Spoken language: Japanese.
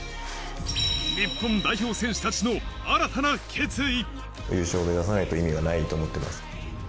日本代表選手たちの新たな決意。